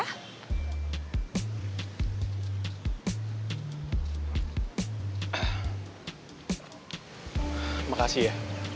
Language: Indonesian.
ah makasih ya